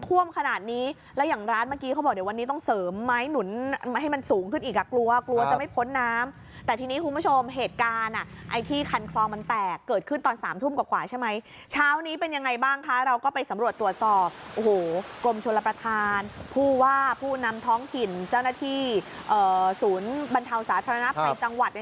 ว่าเดี๋ยววันนี้ต้องเสริมไม้หนุนให้มันสูงขึ้นอีกอ่ะกลัวกลัวจะไม่พ้นน้ำแต่ทีนี้คุณผู้ชมเหตุการณ์อ่ะไอ้ที่คันคลองมันแตกเกิดขึ้นตอนสามทุ่มกว่าใช่ไหมชาวนี้เป็นยังไงบ้างคะเราก็ไปสำรวจตรวจสอบโอ้โหกรมชนรับประทานผู้ว่าผู้นำท้องถิ่นเจ้าหน้าที่เอ่อศูนย์